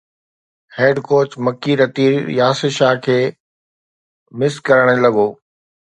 head coach Mickey Arthur Yasir Shah کي miss ڪرڻ لڳو